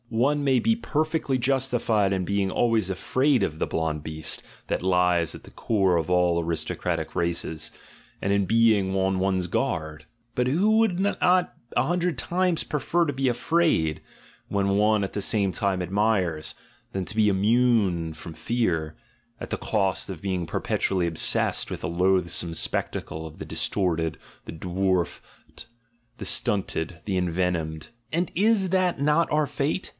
One may be perfectly justified in being always afraid of the blonde beast that lies at the core of all aristocratic races, and in being on one's guard: but who would not a hundred times prefer to be afraid, when one at the same time admires, than to be immune from fear, at the cost of being perpetually obsessed with the loath some spectacle of the distorted, the dwarfed, the stunted, the envenomed? And is that not our fate?